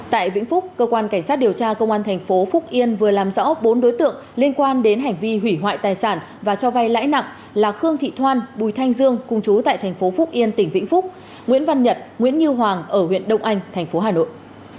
tại vĩnh phúc cơ quan cảnh sát điều tra công an thành phố phúc yên vừa làm rõ bốn đối tượng liên quan đến hành vi hủy hoại tài sản và cho vay lãi nặng là khương thị thoan bùi thanh dương cùng chú tại thành phố phúc yên tỉnh vĩnh phúc nguyễn văn nhật nguyễn như hoàng ở huyện đông anh tp hà nội